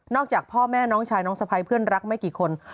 จากพ่อแม่น้องชายน้องสะพ้ายเพื่อนรักไม่กี่คน